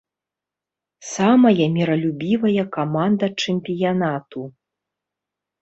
Самая міралюбівая каманда чэмпіянату.